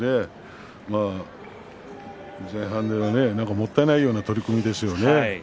前半でもったいないような取組ですね。